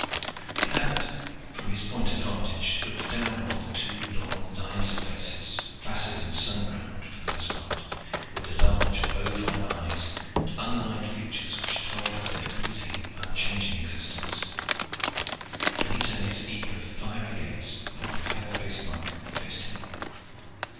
The Abbot, from his point of vantage, looked down on the two long lines of faces, placid and sun browned for the most part, with the large bovine eyes and unlined features which told of their easy, unchanging existence. Then he turned his eager fiery gaze upon the pale faced monk who faced him.